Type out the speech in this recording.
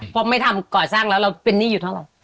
พอไม่ทำก่อสร้างแล้วเราเป็นหนี้อยู่เท่าไหร่